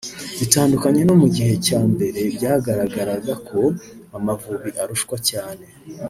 bitandukanye no mu gice cya mbere byagaragaraga ko Amavubi arushwa cyane